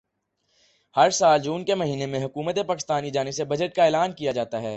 ہر سال جون کے مہینے میں حکومت پاکستان کی جانب سے بجٹ کا اعلان کیا جاتا ہے